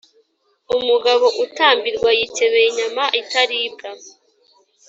Umugabo utabwirwa yikebeye inyama itaribwa